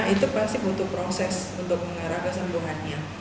itu pasti butuh proses untuk mengarah kesembuhannya